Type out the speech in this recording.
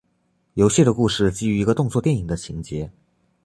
游戏的故事基于一个动作电影的情节。